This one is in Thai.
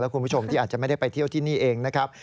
คุณผู้ชมที่อาจจะไม่ได้ไปเที่ยวที่นี่เองนะครับ